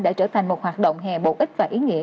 đã trở thành một hoạt động hè bổ ích và ý nghĩa